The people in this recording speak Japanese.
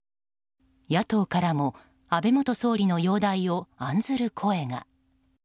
野党からも安倍元総理の容体を案ずる声が。